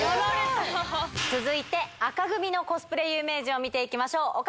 続いて、紅組のコスプレ有名人を見ていきましょう。